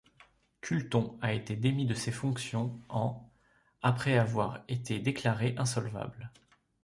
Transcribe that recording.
Culleton a été démis de ses fonctions en après avoir été déclaré insolvable.